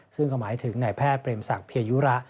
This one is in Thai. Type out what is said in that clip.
ซึ่งก็หมายถึงกับแพทย์เปรียมศักดิ์เพียยวยุระ